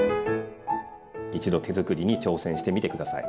一度手づくりに挑戦してみて下さい。